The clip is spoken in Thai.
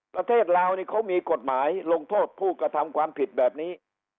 ประเทศลาวนี่เขามีกฎหมายลงโทษผู้กระทำความผิดแบบนี้